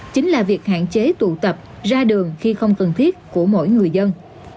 chính là việc hạn chế tụ tập ra đường khi không cần thiết của mỗi người dân